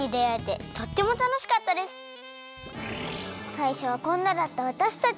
さいしょはこんなだったわたしたち。